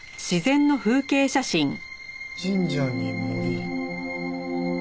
神社に森。